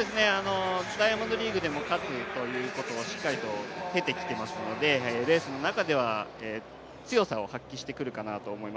ダイヤモンドリーグでも、勝つということを経てきていますので、レースの中では強さを発揮してくるかなと思います。